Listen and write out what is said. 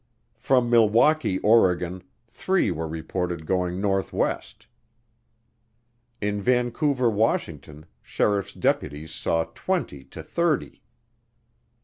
From Milwaukie, Oregon, three were reported going northwest. In Vancouver, Washington, sheriff's deputies saw twenty to thirty.